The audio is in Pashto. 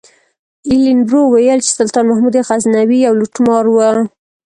ایلن برو ویل چې سلطان محمود غزنوي یو لوټمار و.